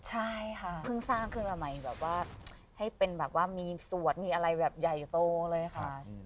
ใช่ค่ะเพิ่งสร้างขึ้นมาใหม่แบบว่าให้เป็นแบบว่ามีสวดมีอะไรแบบใหญ่โตเลยค่ะ